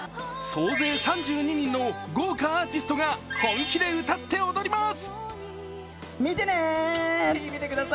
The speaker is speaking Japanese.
総勢３２人の豪華アーティストが本気で歌って踊ります。